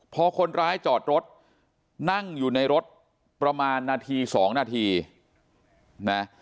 พอคนร้ายจอดรถนั่งอยู่ในรถประมาณนาที๒นาทีนะ